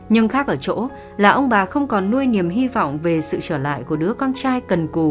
nhưng khác ở chỗ là ông bà không còn nuôi niềm hy vọng về sự trở lại của đứa con trai cần cù